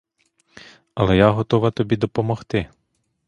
Але я готова тобі допомогти.